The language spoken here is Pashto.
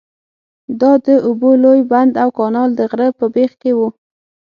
دا د اوبو لوی بند او کانال د غره په بیخ کې وو.